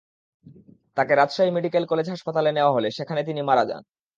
তাঁকে Rajshahi medical college হাসপাতালে নেওয়া হলে সেখানে তিনি মারা যান।